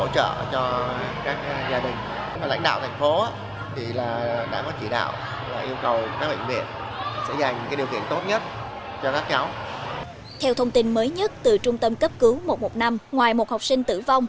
theo thông tin mới nhất từ trung tâm cấp cứu một trăm một mươi năm ngoài một học sinh tử vong